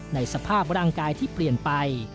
ในสภาพร่างกายที่เปลี่ยนไป